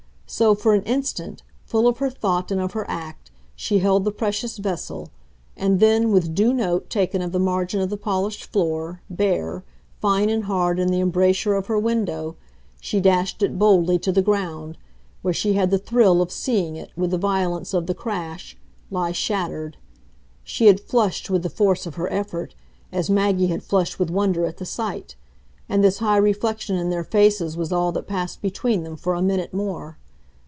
So for an instant, full of her thought and of her act, she held the precious vessel, and then, with due note taken of the margin of the polished floor, bare, fine and hard in the embrasure of her window, she dashed it boldly to the ground, where she had the thrill of seeing it, with the violence of the crash, lie shattered. She had flushed with the force of her effort, as Maggie had flushed with wonder at the sight, and this high reflection in their faces was all that passed between them for a minute more.